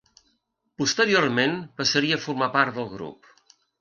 Posteriorment passaria a formar part del grup.